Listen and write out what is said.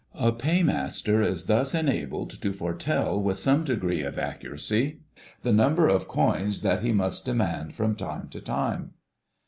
A Paymaster is thus enabled to foretell with some degree of accuracy the number of coins that he must demand from time to time.